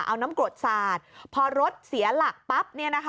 เอาน้ำกรดสาดพอรถเสียหลักปั๊บ